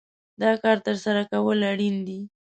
دا کار ترسره کول اړين دي.